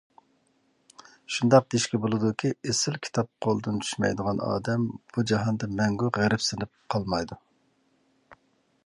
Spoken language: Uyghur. شۇنداق دېيىشكە بولىدۇكى، ئېسىل كىتاب قولىدىن چۈشمەيدىغان ئادەم بۇ جاھاندا مەڭگۈ غېرىبسىنىپ قالمايدۇ.